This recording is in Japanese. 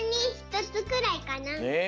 え！